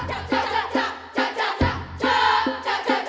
siti pilihan sambut akhir